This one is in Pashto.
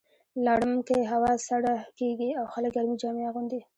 لړم کې هوا سړه کیږي او خلک ګرمې جامې اغوندي.